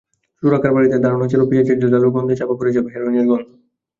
চোরাকারবারিদের ধারণা ছিল, পেঁয়াজের ঝাঁজালো গন্ধে চাপা পড়ে যাবে হেরোইনের গন্ধ।